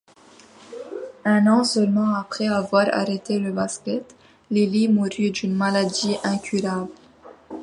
Un an seulement après avoir arrêté le basket, Lily mourut d’une maladie incurable.